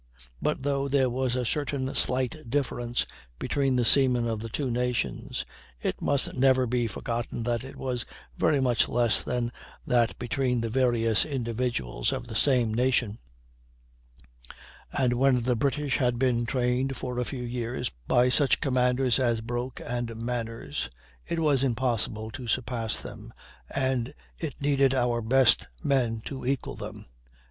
But though there was a certain slight difference between the seamen of the two nations, it must never be forgotten that it was very much less than that between the various individuals of the same nation; and when the British had been trained for a few years by such commanders as Broke and Manners, it was impossible to surpass them, and it needed our best men to equal them.